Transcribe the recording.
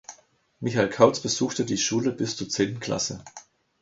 Michael Kautz besuchte die Schule bis zur zehnten Klasse.